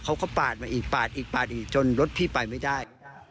เขาก็ปาดมาอีกปาดอีกปาดอีกจนรถพี่ไปไม่ได้